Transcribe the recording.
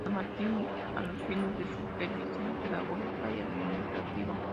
San Martín a los fines de su supervisión pedagógica y administrativa.